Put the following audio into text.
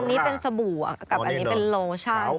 อันนี้เป็นสบู่กับอันนี้เป็นโลชั่น